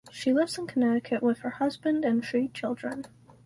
She lives in Connecticut with her husband and three children.